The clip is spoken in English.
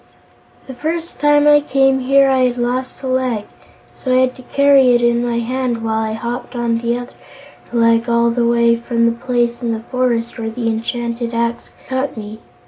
"The first time I came here I had lost a leg, so I had to carry it in my hand while I hopped on the other leg all the way from the place in the forest where the enchanted axe cut me.